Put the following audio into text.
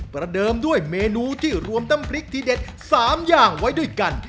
ประเดิมด้วยเมนูที่รวมน้ำพริกที่เด็ด๓อย่างไว้ด้วยกัน